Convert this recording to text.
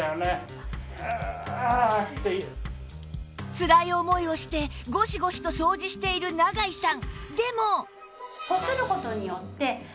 つらい思いをしてゴシゴシと掃除している永井さん